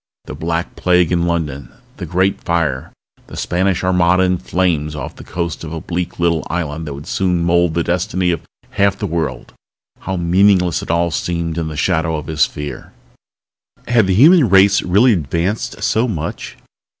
The Black Plague in London, the Great Fire, the Spanish Armada in flames off the coast of a bleak little island that would soon mold the destiny of half the world how meaningless it all seemed in the shadow of his fear! Had the human race really advanced so much?